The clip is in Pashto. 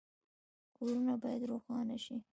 کورونه باید روښانه شي